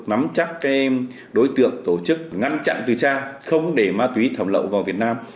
nắm chắc đối tượng tổ chức ngăn chặn từ xa không để ma túy thẩm lậu vào việt nam